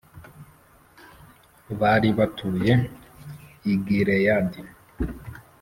bari batuye i Gileyadi